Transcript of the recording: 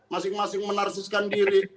masing masing menarsiskan diri